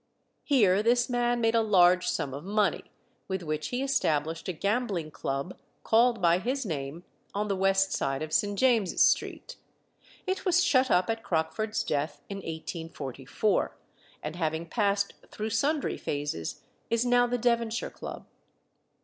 Here this man made a large sum of money, with which he established a gambling club, called by his name, on the west side of St. James's Street. It was shut up at Crockford's death in 1844, and, having passed through sundry phases, is now the Devonshire Club.